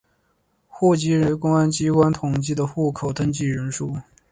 户籍人口为公安机关统计的户口登记人数。